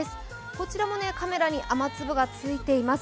こちらもカメラに雨粒がついています。